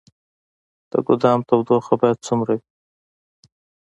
د ګدام تودوخه باید څومره وي؟